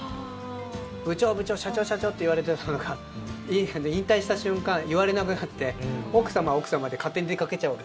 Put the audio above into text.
部長、部長、社長、社長って言われてた人が引退した瞬間、言われなくなって奥様は奥様で勝手に出かけちゃう。